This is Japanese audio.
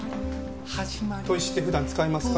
砥石って普段使いますか？